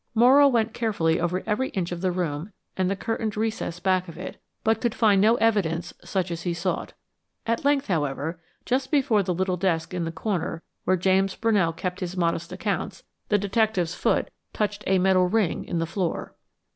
Morrow went carefully over every inch of the room and the curtained recess back of it, but could find no evidence such as he sought. At length, however, just before the little desk in the corner where James Brunell kept his modest accounts, the detective's foot touched a metal ring in the floor.